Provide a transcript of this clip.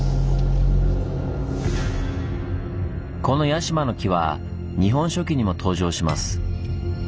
この屋嶋城は「日本書紀」にも登場します。